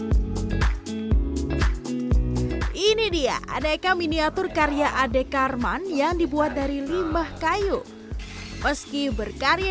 hai ini dia adeka miniatur karya adek karman yang dibuat dari limbah kayu meski berkarya